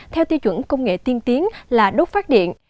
theo tiêu chuẩn công nghệ tiên tiến là đốt phát điện